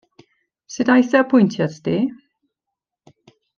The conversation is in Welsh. Sut aeth dy apwyntiad 'di?